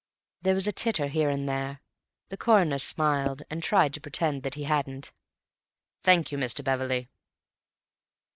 '" There was a titter here and there. The Coroner smiled, and tried to pretend that he hadn't. "Thank you, Mr. Beverley."